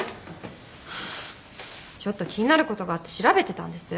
ちょっと気になることがあって調べてたんです。